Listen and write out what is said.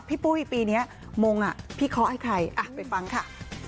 ปุ้ยปีนี้มงพี่เคาะให้ใครไปฟังค่ะ